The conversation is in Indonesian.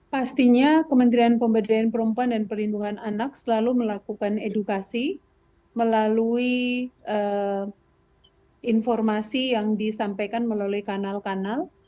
pastinya kementerian pemberdayaan perempuan dan perlindungan anak selalu melakukan edukasi melalui informasi yang disampaikan melalui kanal kanal